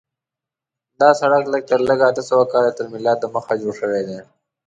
دا سړک لږ تر لږه اته سوه کاله تر میلاد دمخه جوړ شوی دی.